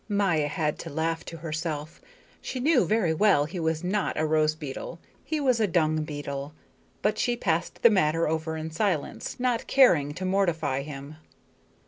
Maya had to laugh to herself. She knew very well he was not a rose beetle; he was a dung beetle. But she passed the matter over in silence, not caring to mortify him.